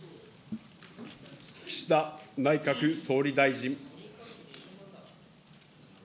岸田内閣総理大臣。